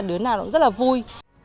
đứa nào cũng rất là vui